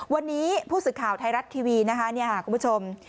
วันนี้ผู้สื่อข่าวไทยรัฐทีวีนะคะคุณผู้ชม